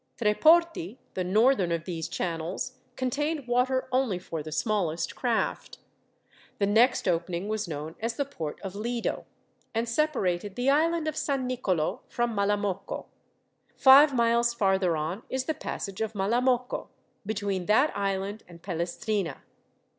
Treporti, the northern of these channels, contained water only for the smallest craft. The next opening was known as the port of Lido, and separated the island of San Nicolo from Malamocco. Five miles farther on is the passage of Malamocco, between that island and Pelestrina.